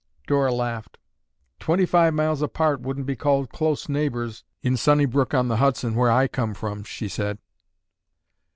Dora laughed. "Twenty five miles apart wouldn't be called close neighbors in Sunnybank on the Hudson where I come from," she said.